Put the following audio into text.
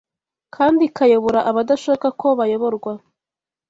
kandi ikayobora abadashaka ko bayoborwa